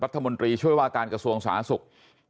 รัฐมนตรีช่วยว่าการกระทรวงสาธารณสุข